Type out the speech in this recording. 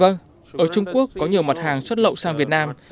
vâng ở trung quốc có nhiều mặt hàng xuất lậu sang việt nam